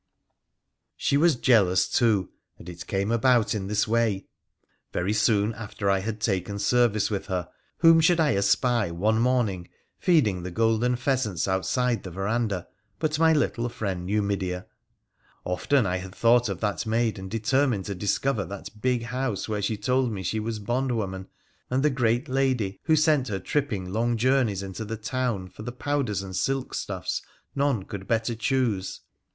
She was jealous, too ; and it came about in this way. Very soon after I had taken service with her, whom should I espy, one morning, feeding the golden pheasants outside the verandah but my little friend Numidea. Often I had thought of that maid, and determined to discover that ' big house ' where she had told me she was bondwoman, and the ' great lady who sent her tripping long journeys into the town for the powders and silk stuffs none could better choose.